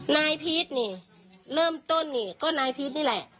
นายพีชนี่เริ่มต้นนี่ก็นายพีชนี่แหละ